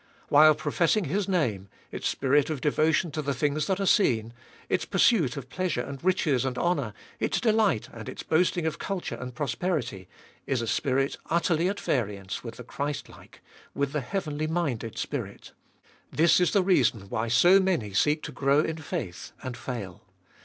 While professing His name, its spirit of devotion to the things that are seen, its pursuit of pleasure and riches and honour, its delight and its boasting of culture and pro sperity, is a spirit utterly at variance with the Christlike, with the heavenly minded spirit. This is the reason why so many seek to grow in faith, and fail.